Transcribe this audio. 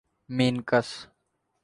مینکس